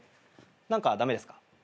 何か駄目ですか？